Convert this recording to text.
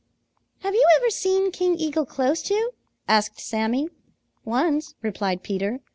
"Have you ever seen King Eagle close to?" asked Sammy. "Once," replied Peter.